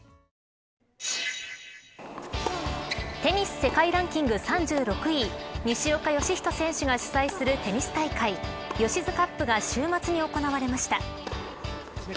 世界ランキング３６位西岡良仁選手が主催するテニス大会Ｙｏｓｈｉ’ｓＣＵＰが週末に行われました。